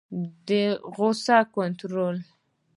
د غصې کنټرول